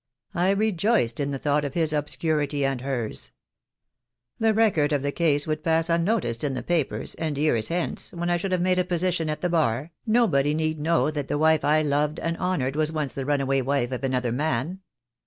I rejoiced in the thought of his obscurity and hers. The record of THE DAY WILL COME. I 95 the case would pass unnoticed in the papers, and years hence, when 1 should have made a position at the Bar, nobody need know that the wife I loved and honoured was once the runaway wife of another man.